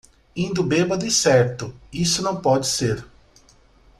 Indo bêbado e certo, isso não pode ser.